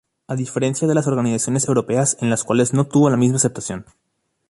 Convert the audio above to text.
A diferencia de las organizaciones europeas, en las cuales no tuvo la misma aceptación.